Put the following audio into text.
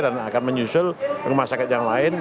dan akan menyusul rumah sakit yang lain